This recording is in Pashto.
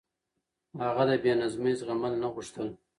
هغه د بې نظمي زغمل نه غوښتل.